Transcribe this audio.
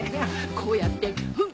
こうやってフッ。